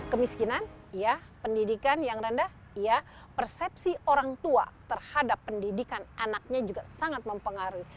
kemiskinan ya pendidikan yang rendah ya persepsi orang tua terhadap pendidikan anaknya juga sangat mempengaruhi